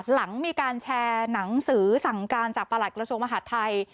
หลังมีการแชร์หนังสือสั่งการจากประหลัดกระทรวงมหาดไทย